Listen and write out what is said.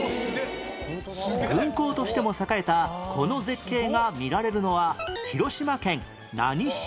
軍港としても栄えたこの絶景が見られるのは広島県何市？